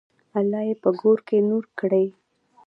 الله یې په ګور کې نور کړي.